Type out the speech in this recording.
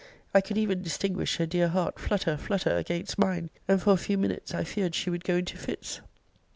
I could even distinguish her dear heart flutter, flutter, against mine; and, for a few minutes, I feared she would go into fits.